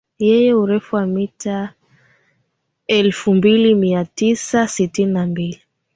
Yenye urefu wa mita elfu mbili mia tisa sitini na mbili